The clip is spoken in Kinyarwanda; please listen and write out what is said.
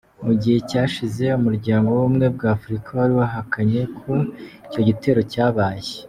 Mu gihe cyashize umuryango w'ubumwe bw'Afrika wari wahakanye ko icyo gitero cyabaye.